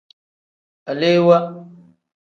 Alewaa.